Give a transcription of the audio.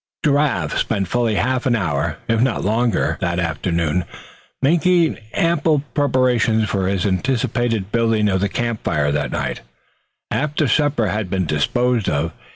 Giraffe spent fully half an hour, if not longer, that afternoon, making ample preparations for his anticipated building of the camp fire that night, after supper had been disposed of.